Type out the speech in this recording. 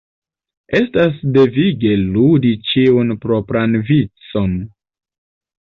Estas devige ludi ĉiun propran vicon.